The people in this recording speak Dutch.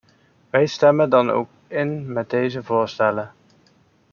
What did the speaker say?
Wij stemmen dan ook in met deze voorstellen.